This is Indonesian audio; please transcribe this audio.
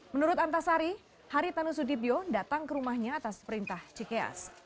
menurut antasari haritanu sudibyo datang ke rumahnya atas perintah cikeas